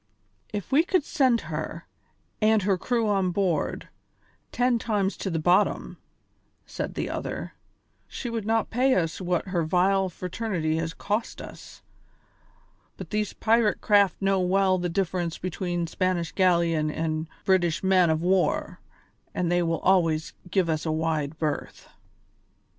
"If we could send her, with her crew on board, ten times to the bottom," said the other, "she would not pay us what her vile fraternity has cost us. But these pirate craft know well the difference between a Spanish galleon and a British man of war, and they will always give us a wide berth."